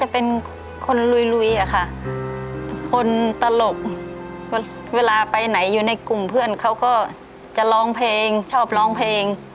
เป็นเพื่อนกันมาตั้งแต่๕ขวบตอนเด็ก